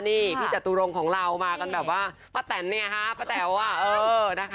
นี่พี่จตุรงของเรามากันแบบว่าป้าแตนเนี่ยฮะป้าแต๋วอ่ะเออนะคะ